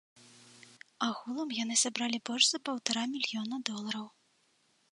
Агулам яны сабралі больш за паўтара мільёна долараў.